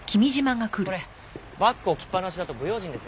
これバッグ置きっぱなしだと不用心ですよ。